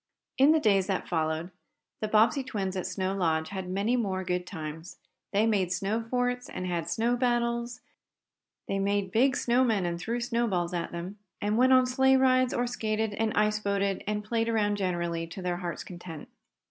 In the days that followed, the Bobbsey twins at Snow Lodge had many more good times. They made snow forts, and had snow battles, they made big snow men and threw snowballs at them, and went on sleigh rides, or skated and ice boated and played around generally, to their hearts' content.